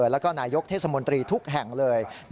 แล้วก็นายกเทศมนตรีทุกแห่งเลย